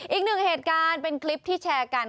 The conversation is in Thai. อีกหนึ่งเหตุการณ์เป็นคลิปที่แชร์กัน